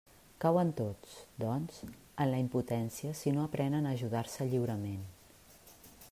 Cauen tots, doncs, en la impotència si no aprenen a ajudar-se lliurement.